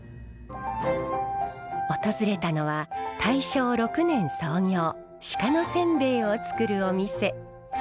訪れたのは大正６年創業鹿のせんべいを作るお店。